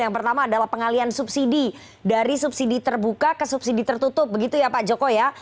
yang pertama adalah pengalian subsidi dari subsidi terbuka ke subsidi tertutup begitu ya pak joko ya